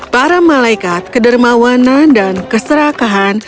para malaikat kedermawanan dan keserakahan